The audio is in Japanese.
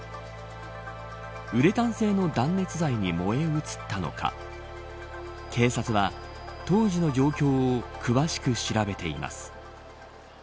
ウレタン製の断熱材に燃え移ったのか警察は当時の状況を詳しく調べています。